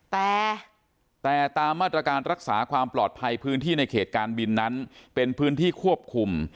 แต่แต่ตามมาตรการรักษาความปลอดภัยพื้นที่ในเขตการบินนั้นเป็นพื้นที่ควบคุม